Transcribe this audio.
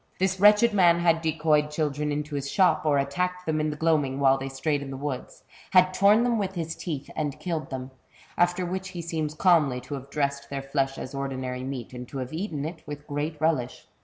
This wretched man had decoyed children into his shop, or attacked them in the gloaming when they strayed in the woods, had torn them with his teeth, and killed them, after which he seems calmly to have dressed their flesh as ordinary meat, and to have eaten it with great relish.